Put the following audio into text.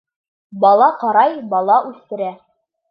Бала ҡарай, бала үҫтерә.